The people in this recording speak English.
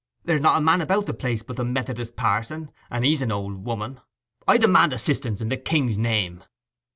There's not a man about the place but the Methodist parson, and he's an old woman. I demand assistance in the king's name!